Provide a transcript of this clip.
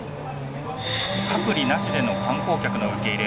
隔離なしでの観光客の受け入れ。